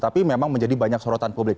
tapi memang menjadi banyak sorotan publik